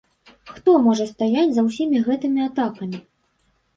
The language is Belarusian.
Хто можа стаяць за ўсімі гэтымі атакамі?